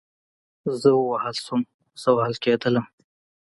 زه ووهل شوم, زه وهل کېدلم